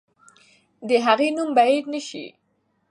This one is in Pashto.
د هغې نوم به هېر نه سي.